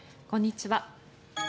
こんにちは。